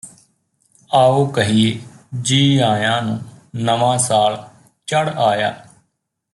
ਆਓ ਕਹੀਏ ਜੀ ਆਇਆਂ ਨੂੰਨਵਾਂ ਸਾਲ ਚੜ੍ਹ ਆਇਆ